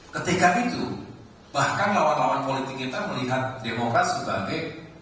ketika itu bahkan lawan lawan politik kita melihat demokrat sebagai